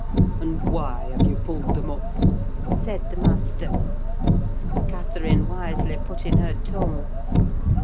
"And why have you pulled them up?" said the master. Catherine wisely put in her tongue.